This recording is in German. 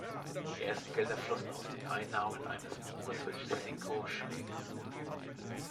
Die ersten Gelder flossen aus den Einnahmen eines Buches welches Zico schrieb.